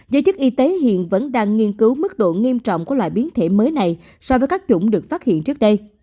giới chức y tế hiện vẫn đang nghiên cứu mức độ nghiêm trọng của loại biến thể mới này so với các chủng được phát hiện trước đây